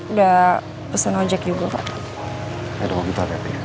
udah pesan ojek juga pak